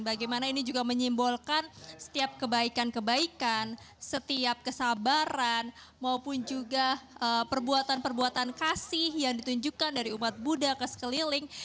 bagaimana ini juga menyimbolkan setiap kebaikan kebaikan setiap kesabaran maupun juga perbuatan perbuatan kasih yang ditunjukkan dari umat buddha ke sekeliling